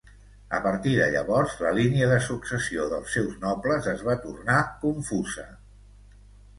A partir de llavors la línia de successió dels seus nobles es va tornar confusa.